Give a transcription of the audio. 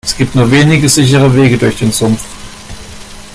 Es gibt nur wenige sichere Wege durch den Sumpf.